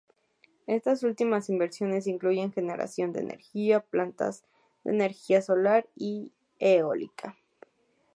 Estas últimas inversiones incluyen generación de energía, plantas de energía solar y eólica.